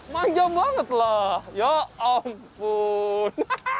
manjam banget lah ya ampun